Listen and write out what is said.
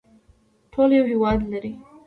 ټول یو هیواد لري